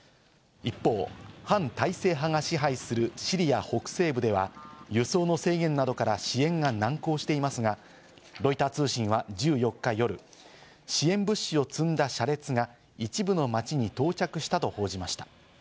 一方、反体制派が支配するシリア北西部では、輸送の制限などから支援が難航していますが、ロイター通信は１４日夜、支援物資を積んだ車列が一部の街に到着したと報じました。